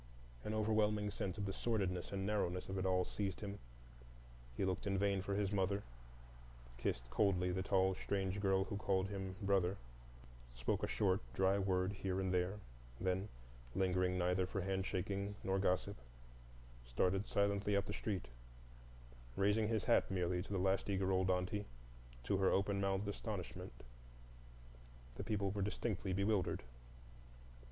An overwhelming sense of the sordidness and narrowness of it all seized him; he looked in vain for his mother, kissed coldly the tall, strange girl who called him brother, spoke a short, dry word here and there; then, lingering neither for handshaking nor gossip, started silently up the street, raising his hat merely to the last eager old aunty, to her open mouthed astonishment. The people were distinctly bewildered.